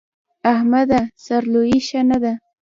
احمده! سر لويي ښه نه ده.